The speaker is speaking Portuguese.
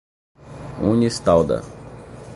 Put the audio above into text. Unistalda